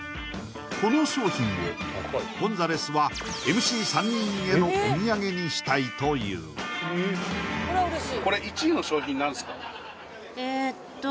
この商品をゴンザレスはＭＣ３人へのお土産にしたいというえっとそうです